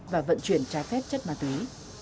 và vận chuyển trái phép chất ma túy